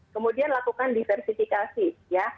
kemudian lakukan diversifikasi ya